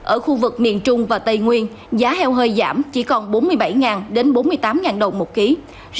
ở khu vực miền trung và tây nguyên giá heo hơi giảm chỉ còn bốn mươi bảy đến bốn mươi tám đồng một ký